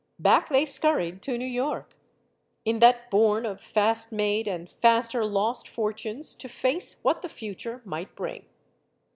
Back they scurried to New York ; in that bourne of fast made and faster lost fortunes to face what the future might bring.